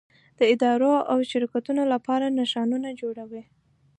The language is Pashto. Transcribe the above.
د ادارو او شرکتونو لپاره نښانونه جوړوي.